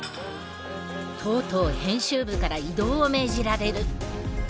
とうとう編集部から異動を命じられる。